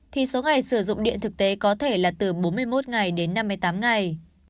thì số ngày sử dụng điện thực tế có thể là từ bốn mươi một ngày đến năm mươi tám ngày